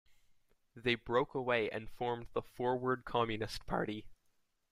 They broke away and formed the Forward Communist Party.